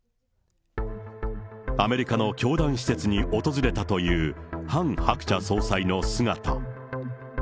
アメリカの教団施設に訪れたというハン・ハクチャ総裁の姿。